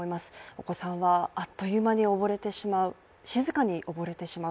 お子さんはあっという間に溺れてしまう、静かに溺れてしまう。